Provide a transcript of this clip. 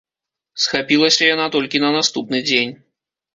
Спахапілася яна толькі на наступны дзень.